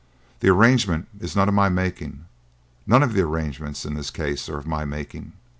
The arrangement is none of my making; none of the arrangements in this case are of my making.